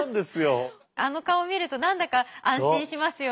あの顔見ると何だか安心しますよね